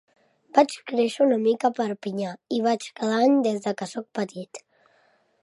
Vaig créixer una mica a Perpinyà, hi vaig cada any des que sóc petit.